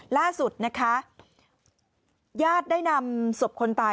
ล่าสุดนะคะญาติได้นำศพคนตาย